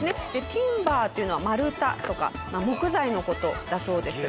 ティンバーというのは丸太とか木材の事だそうです。